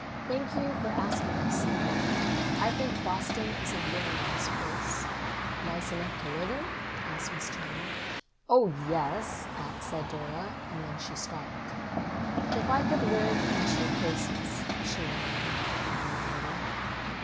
"Thank you for asking us," said Dora. "I think Boston is a very nice place." "Nice enough to live in?" asked Miss Chandler. "Oh, yes," said Dora, and then she stopped. "If I could live in two places," she went on, after thinking a little.